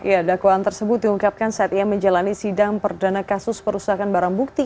ya dakwaan tersebut diungkapkan saat ia menjalani sidang perdana kasus perusahaan barang bukti